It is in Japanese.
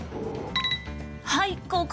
はいここ！